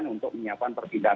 untuk menyiapkan perpindahan